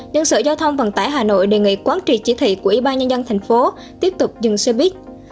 nhân sự giao thông vận tải hà nội đề nghị quán trị chỉ thị của y bài nhân dân thành phố tiếp tục dừng xe buýt